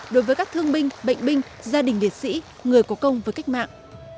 đối với các thương binh bệnh binh gia đình liệt sĩ người có công với cách mạng